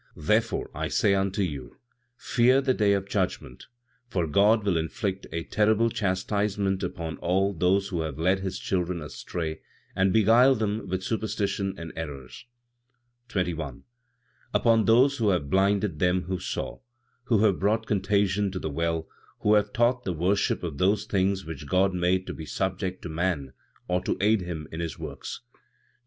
20. "Therefore, I say unto you; Fear the day of judgment, for God will inflict a terrible chastisement upon all those who have led His children astray and beguiled them with superstitions and errors; 21. "Upon those who have blinded them who saw; who have brought contagion to the well; who have taught the worship of those things which God made to be subject to man, or to aid him in his works. 22.